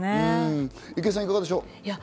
郁恵さん、いかがでしょう？